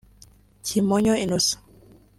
Kimonyo Innocent